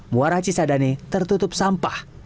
muara cisadane tertutup sampah